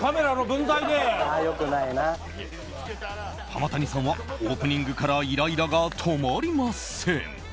浜谷さんはオープニングからイライラが止まりません。